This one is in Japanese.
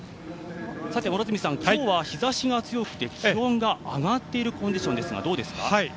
今日は日ざしが強くて気温が上がっているコンディションですがどうですか？